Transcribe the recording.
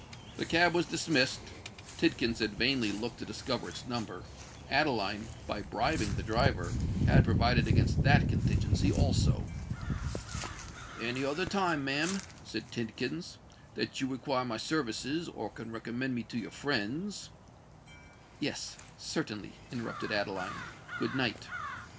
The cab was dismissed:—Tidkins had vainly looked to discover its number. Adeline, by bribing the driver, had provided against that contingency also! "Any other time, ma'am," said Tidkins, "that you require my services—or can recommend me to your friends——" "Yes—certainly," interrupted Adeline. "Good night."